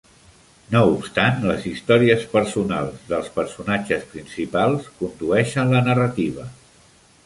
No obstant, les històries personals dels personatges principals condueixen la narrativa.